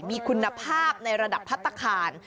มีคุณภาพในระดับพัฒนาคาร